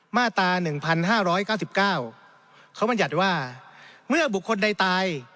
มาตราหนึ่งพันห้าร้อยเก้าสิบเก้าเขาบรรยัติว่าเมื่อบุคคลใดตาย